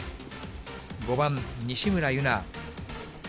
５番、西村優菜。